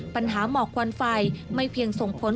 ปัญหาหมอกควันไฟไม่เพียงส่งผล